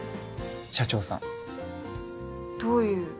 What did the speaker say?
社長さんどういう？